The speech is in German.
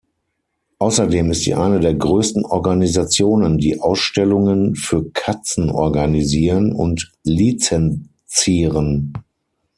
Außerdem ist sie eine der größten Organisationen, die Ausstellungen für Katzen organisieren und lizenzieren.